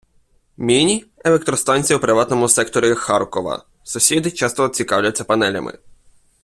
Міні - електростанція у приватному секторі Харкова Сусіди часто цікавляться панелями.